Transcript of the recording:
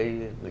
và trong cái